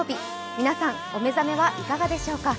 皆さん、お目覚めはいかがでしょうか。